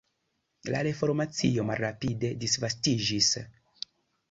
La reformacio malrapide disvastiĝis.